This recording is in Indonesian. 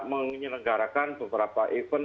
menyelenggarakan beberapa event